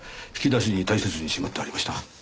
引き出しに大切にしまってありました。